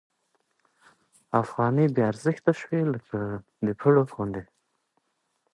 افغانۍ بې ارزښته شوې لکه د پړو غوندې.